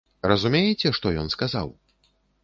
Разумееце, што ён сказаў?